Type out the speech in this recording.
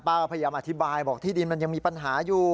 พยายามอธิบายบอกที่ดินมันยังมีปัญหาอยู่